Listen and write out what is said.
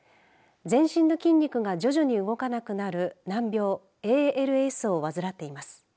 全身の筋肉が徐々に動かなくなる難病ＡＬＳを患っています。